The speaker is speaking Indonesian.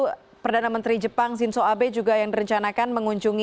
itu perdana menteri jepang shinzo abe juga yang direncanakan mengunjungi